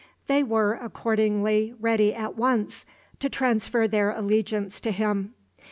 They were accordingly ready at once to transfer their allegiance to him.